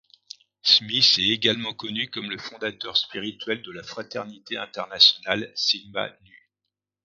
Smith est également connu comme le fondateur spirituel de la fraternité internationale Sigma Nu.